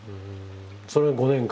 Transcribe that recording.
それを５年間？